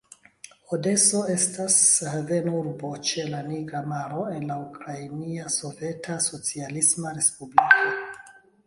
Odeso estas havenurbo ĉe la Nigra Maro en la Ukraina Soveta Socialisma Respubliko.